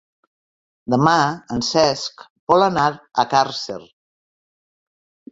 Demà en Cesc vol anar a Càrcer.